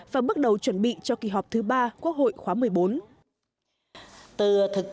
và bước đầu chuẩn bị cho kỳ họp thứ ba quốc hội khóa một mươi bốn